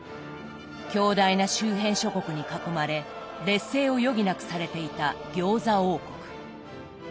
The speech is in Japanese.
強大な周辺諸国に囲まれ劣勢を余儀なくされていた餃子王国。